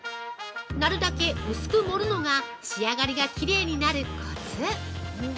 なるだけ薄く盛るのが仕上がりがきれいになるコツ。